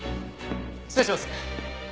失礼します。